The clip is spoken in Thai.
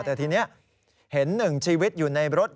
แต่ทีนี้เห็นหนึ่งชีวิตอยู่ในรถ